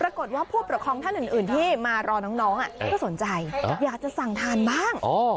ปรากฏว่าผู้ปกครองท่านอื่นที่มารอน้องก็สนใจอยากจะสั่งทานบ้าง